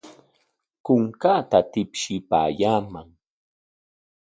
Kunkaata tipshipaayaaman.